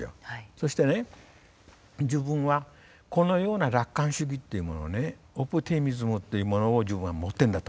そしてね自分はこのような楽観主義っていうものをねオプティミズムというものを自分は持ってるんだと。